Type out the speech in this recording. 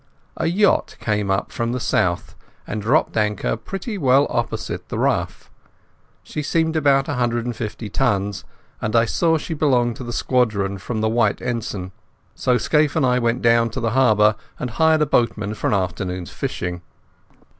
A yacht came up from the south and dropped anchor pretty well opposite the Ruff. She seemed about a hundred and fifty tons, and I saw she belonged to the Squadron from the white ensign. So Scaife and I went down to the harbour and hired a boatman for an afternoon's fishing.